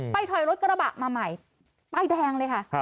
ไปถอยรถกระบะมาใหม่ใบแดงเลยค่ะ